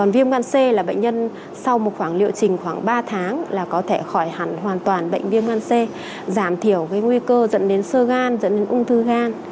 viêm gan c là bệnh nhân sau một khoảng liệu trình khoảng ba tháng là có thể khỏi hẳn hoàn toàn bệnh viêm gan c giảm thiểu nguy cơ dẫn đến sơ gan dẫn đến ung thư gan